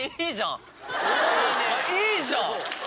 いいじゃん！